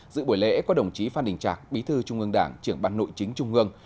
giữa buổi lễ có đồng chí phan đình trạc bí thư trung ương đảng trưởng ban nội chính trung ương